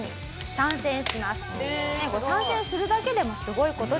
参戦するだけでもすごい事でございます。